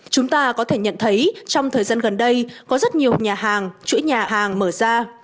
chúng ta có thể nhận thấy trong thời gian gần đây có rất nhiều nhà hàng chuỗi nhà hàng mở ra